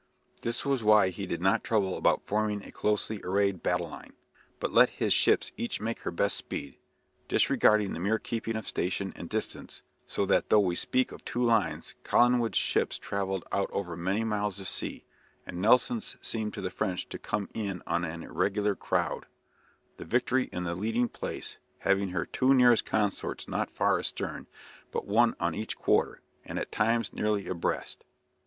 This was why he did not trouble about forming a closely arrayed battle line, but let his ships each make her best speed, disregarding the mere keeping of station and distance, so that though we speak of two lines, Collingwood's ships trailed out over miles of sea, and Nelson's seemed to the French to come on in an irregular crowd, the "Victory" in the leading place, having her two nearest consorts not far astern, but one on each quarter, and at times nearly abreast.